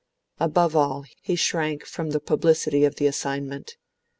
Above all, he shrank from the publicity of the assignment.